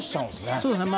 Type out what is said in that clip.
そうですね。